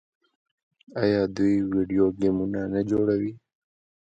آیا دوی ویډیو ګیمونه نه جوړوي؟